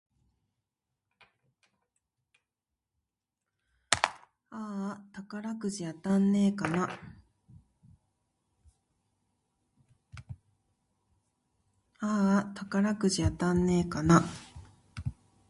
あーあ、宝くじ当たんねぇかな